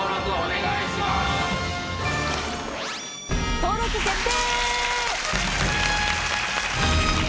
登録決定！